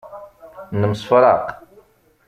Nemsefraq.